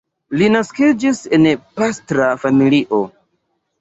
Li naskiĝis en pastra familio.